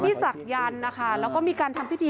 ศักยันต์นะคะแล้วก็มีการทำพิธี